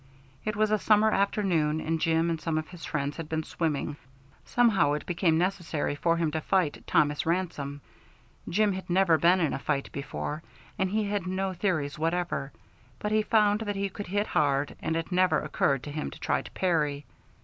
It was a summer afternoon, and Jim and some of his friends had been in swimming; somehow it became necessary for him to fight Thomas Ransome. Jim had never been in a fight before, and he had no theories whatever, but he found that he could hit hard, and it never occurred to him to try to parry.